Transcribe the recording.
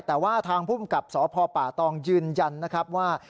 แต่ว่าทางพุ่มกับสพปตยืนยันนะครับว่า